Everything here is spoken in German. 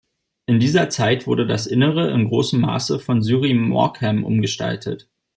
In dieser Zeit wurde das Innere in großem Maße von Syrie Maugham umgestaltet.